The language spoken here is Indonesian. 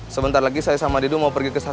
sebentar lagi saya sama adidu mau pergi ke sasana